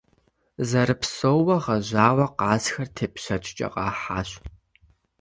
Зэрыпсэууэ гъэжьауэ къазхэр тепщэчкӀэ къахьащ.